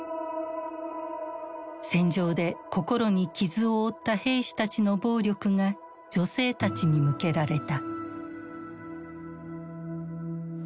戦場で心に傷を負った兵士たちの暴力が女性たちに向けられた。